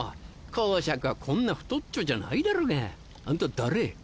侯爵はこんな太っちょじゃないだろが。あんた誰？